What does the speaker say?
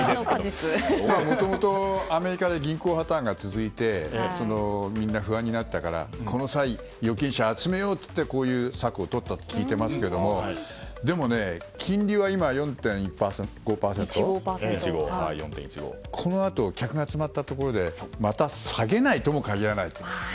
もともとアメリカで銀行破たんが続いてみんな不安になったから、この際預金者を集めようといってこういう策をとったと聞いていますがでも金利は今４．１５％でこのあと客が集まったところでまた下げないとも限らない。